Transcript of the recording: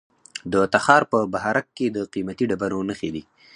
د تخار په بهارک کې د قیمتي ډبرو نښې دي.